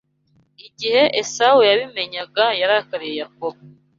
Igihe Esawu yabimenyaga, yarakariye Yakobo